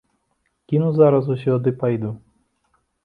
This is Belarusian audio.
Кіну зараз усё ды пайду.